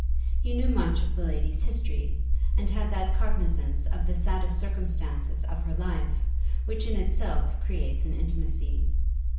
He knew much of the lady's history, and had that cognisance of the saddest circumstances of her life, which in itself creates an intimacy.